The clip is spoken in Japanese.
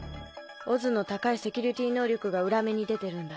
ＯＺの高いセキュリティー能力が裏目に出てるんだ。